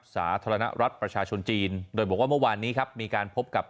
สาธารณรัฐประชาชนจีนโดยบอกว่าเมื่อวานนี้ครับมีการพบกับ